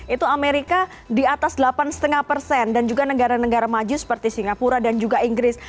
itu amerika di atas delapan lima persen dan juga negara negara maju seperti singapura dan juga inggris